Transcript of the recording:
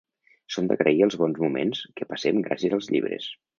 Són d'agrair els bons moments que passem gràcies als llibres.